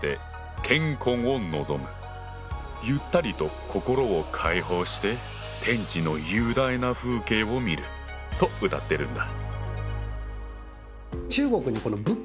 「ゆったりと心を解放して天地の雄大な風景を見る」と歌ってるんだ。